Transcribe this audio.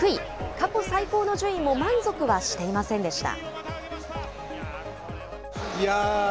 過去最高の順位も満足はしていませんでした。